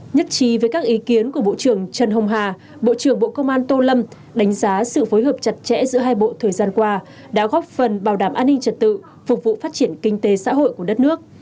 nhất trí với các ý kiến của bộ trưởng trần hồng hà bộ trưởng bộ công an tô lâm đánh giá sự phối hợp chặt chẽ giữa hai bộ thời gian qua đã góp phần bảo đảm an ninh trật tự phục vụ phát triển kinh tế xã hội của đất nước